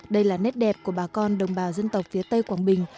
đây là nét đẹp của bà con đồng bào dân tộc phía tây quảng bình